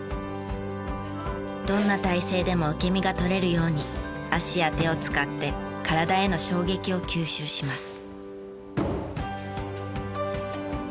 どんな体勢でも受け身が取れるように脚や手を使って体への衝撃を吸収します。